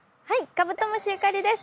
カブトムシゆかりです。